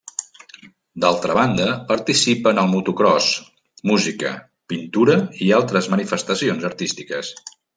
D'altra banda, participa en el motocròs, música, pintura i altres manifestacions artístiques.